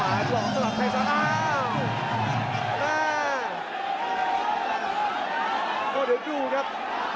อ้าวมาโอ้เดี๋ยวดูครับ